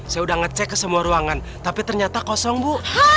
saya udah ngecek ke semua ruangan tapi ternyata kosong bu